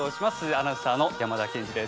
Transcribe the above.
アナウンサーの山田賢治です。